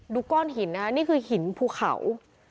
ดูก้อนหินนี่คือหินผูเขา